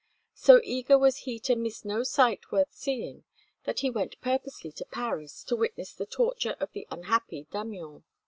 So eager was he to miss no sight worth seeing, that he went purposely to Paris to witness the torture of the unhappy Damiens.